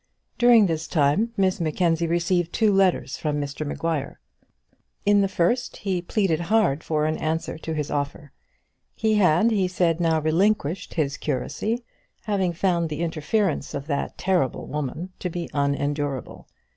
During this time Miss Mackenzie received two letters from Mr Maguire. In the first he pleaded hard for an answer to his offer. He had, he said, now relinquished his curacy, having found the interference of that terrible woman to be unendurable.